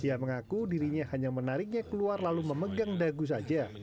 ia mengaku dirinya hanya menariknya keluar lalu memegang dagu saja